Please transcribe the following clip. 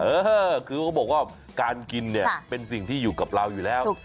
เออคือเขาบอกว่าการกินเนี่ยเป็นสิ่งที่อยู่กับเราอยู่แล้ว